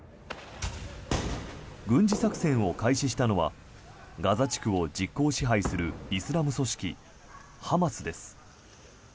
軍事作戦を開始したのはガザ地区を実効支配するイスラム組織ハマスです。